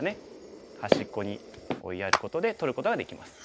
端っこに追いやることで取ることができます。